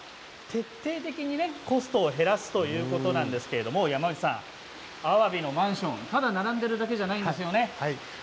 徹底的にコストを減らすということなんですけれど山内さん、あわびのマンションただ並んでいるだけではないんですよね。